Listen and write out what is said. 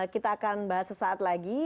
kita akan bahas sesaat lagi